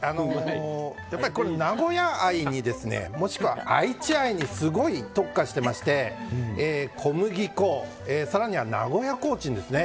やっぱり、名古屋愛もしくは愛知愛にすごい特化してまして小麦粉、更には名古屋コーチンですね。